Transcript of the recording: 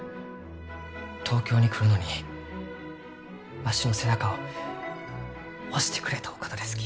東京に来るのにわしの背中を押してくれたお方ですき。